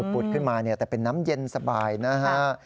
ขุดขึ้นมาแต่เป็นน้ำเย็นสบายนะฮะ